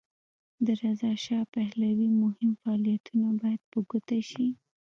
د رضاشاه پهلوي مهم فعالیتونه باید په ګوته شي.